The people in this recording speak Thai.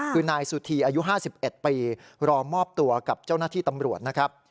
คือนายสุธีอายุ๕๑ปีรอมอบตัวกับเจ้าหน้าที่ตำรวจนะครับ